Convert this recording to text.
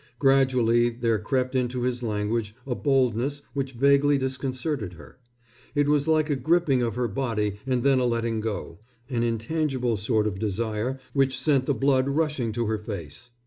Gradually there crept into his language a boldness which vaguely disconcerted her. It was like a gripping of her body and then a letting go, an intangible sort of desire which sent the blood rushing to her face.